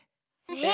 え？